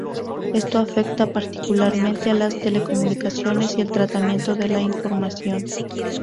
Esto afectaba particularmente a las telecomunicaciones y el tratamiento de la información.